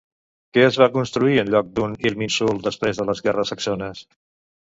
Què es va construir en lloc d'un Irminsul després de les guerres saxones?